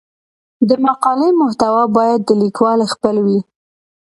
د مقالې محتوا باید د لیکوال خپل وي.